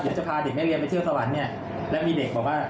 จะพาเด็กนักเรียนไปเที่ยวสวรรค์เนี่ยแล้วมีเด็กบอกว่า